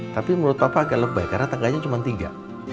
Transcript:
tapi menurut bapak agak lebay karena tangganya cuma tiga